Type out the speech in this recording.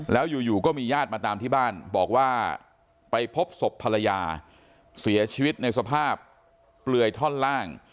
แล้วอยู่ก็มีญาติมาตามที่บ้านบอกว่าไปพบศพภรรยาเสียชีวิตในสภาพเปลือยท่อนล่าง